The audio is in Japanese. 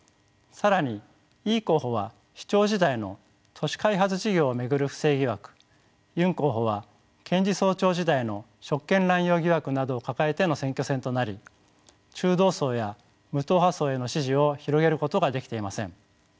更にイ候補は市長時代の都市開発事業を巡る不正疑惑ユン候補は検事総長時代の職権乱用疑惑などを抱えての選挙戦となり中道層や無党派層への支持を広げることができていません。